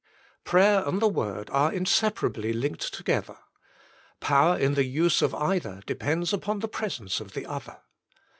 Prayer and the Word are inseparably linked to gether: power in the use of either depends upon the presence of the other.